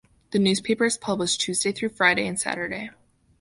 The newspaper is published Tuesday through Friday and Saturday.